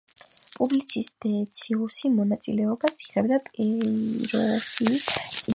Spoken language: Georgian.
პუბლიუს დეციუსი მონაწილეობას იღებდა პიროსის წინააღმდეგ ომში.